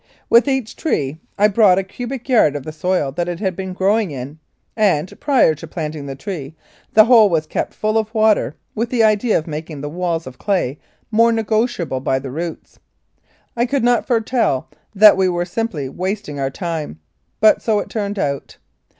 With each tree I brought a cubic yard of the soil that it had been growing in, and, prior to planting the tree, the hole was kept full of water, with the idea of making the walls of clay more negotiable by the roots. I could not foretell that we were simply wasting our time, but so it turned out.